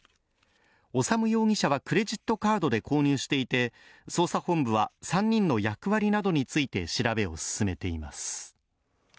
修容疑者はクレジットカードで購入していて捜査本部は３人の役割などについて調べを進めています。